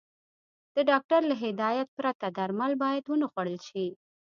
د ډاکټر له هدايت پرته درمل بايد ونخوړل شي.